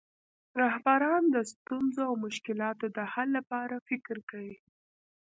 رهبران د ستونزو او مشکلاتو د حل لپاره فکر کوي.